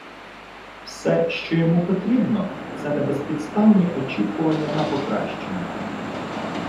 Все, що йому потрібно – це небезпідставні очікування на покращення.